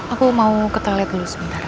aku mau ketengah dulu sebentar